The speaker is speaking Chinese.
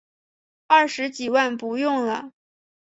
二十几万不用了